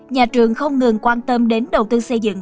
nhà trường không ngừng quan tâm đến đầu tư xây dựng